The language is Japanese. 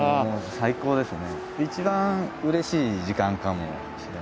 最高ですね。